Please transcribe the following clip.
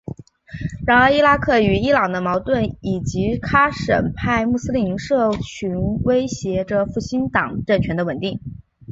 然而伊拉克与伊朗的矛盾以及什叶派穆斯林社群威胁着复兴党政权的稳定。